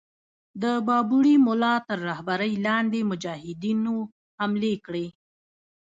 د بابړي مُلا تر رهبری لاندي مجاهدینو حملې کړې.